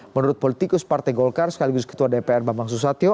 menurut politikus partai golkar sekaligus ketua dpr bambang susatyo